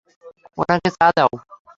ওনাকে চা দাও।